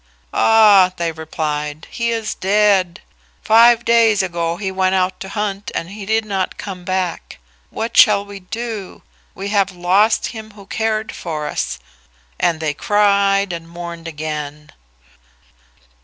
"Ah," they replied, "he is dead. Five days ago he went out to hunt and he did not come back. What shall we do? We have lost him who cared for us"; and they cried and mourned again.